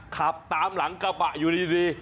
ขับตามหลังกระบะอยู่ดี